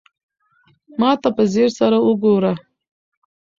ما ته په ځير سره وگوره.